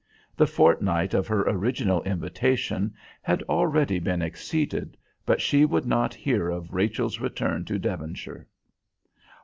The fortnight of her original invitation had already been exceeded, but she would not hear of Rachel's return to Devonshire.